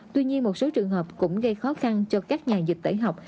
tuy nhiên một số trường hợp cũng gây khó khăn cho các nhà dịch tễ học